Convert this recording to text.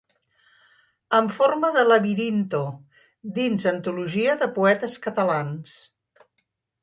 «En forma de labirinto» dins Antologia de poetes catalans.